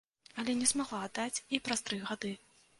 Але не змагла аддаць і праз тры гады.